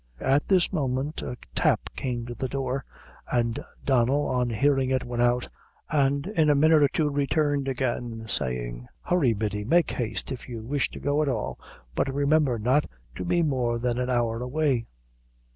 At this moment a tap came to the door, and Donnel, on hearing it, went out, and in a minute or two returned again, saying "Hurry, Biddy; make haste, if you wish to go at all; but remember not to be more than an hour away."